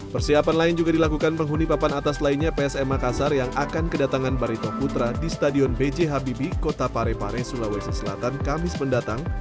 persiapan lain juga dilakukan penghuni papan atas lainnya psm makassar yang akan kedatangan barito putra di stadion bj habibie kota parepare sulawesi selatan kamis mendatang